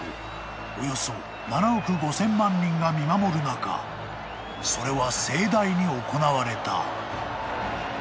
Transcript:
およそ７億５，０００万人が見守る中それは盛大に行われた］